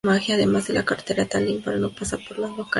Además la carretera Tallin Pärnu pasa por la localidad.